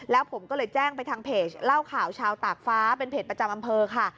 แล้วผมก็เลยแจ้งไปทางเพจเล่าข่าวชาวตากฟ้าเป็นเพจประจำอำเภอค่ะ